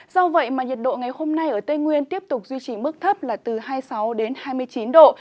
do vậy mà nhiệt độ ngày hôm nay ở tây nguyên tiếp tục duy trì mức thấp là từ hai mươi sáu đến hai mươi chín độ